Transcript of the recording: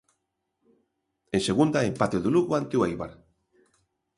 En Segunda, empate do Lugo ante o Éibar.